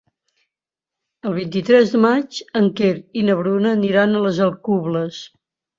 El vint-i-tres de maig en Quer i na Bruna aniran a les Alcubles.